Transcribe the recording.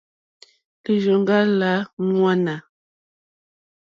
Lírzòŋɡá lá ŋwánà.